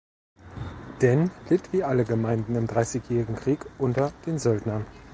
Denn litt wie alle Gemeinden im Dreißigjährigen Krieg unter den Söldnern.